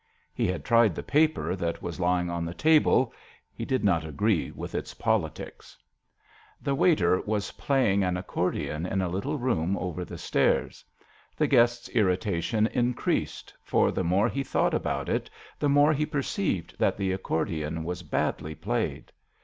He had tried the paper that was lying on the table. He did not agree with its politics. The waiter was playing an accordion in a little room over the stairs. The guest's irrita tion increased, for the more he thought about it the more he perceived that the accordion was badly played.